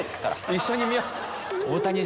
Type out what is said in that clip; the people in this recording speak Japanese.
一緒に見よう。